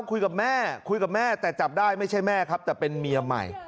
คุยกับแม่คุยกับแม่แต่จับได้ไม่ใช่แม่ครับแต่เป็นเมียใหม่